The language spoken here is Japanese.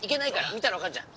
見たらわかるじゃん！